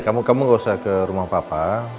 kamu kamu gak usah ke rumah papa